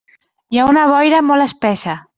Hi ha una boira molt espessa.